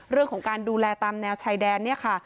เรื่องของการดูแลตามแนวชายแดนเนี่ยค่ะ